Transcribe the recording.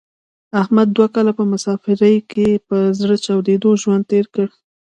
احمد دوه کاله په مسافرۍ کې په زړه چاودې ژوند تېر کړ.